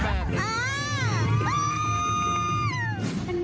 ขอประโยชน์ใจ